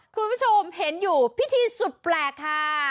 คุณผู้ชมเห็นอยู่พิธีสุดแปลกค่ะ